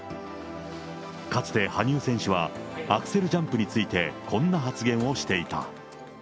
かつて羽生選手は、アクセルジャンプについて、こんな発言をしていた。